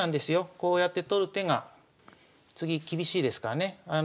こうやって取る手が次厳しいですからね。